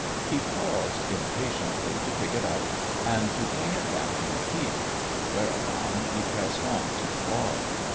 He paused impatiently to pick it up, and to fling it back in a heap : whereupon he pressed on to the bar.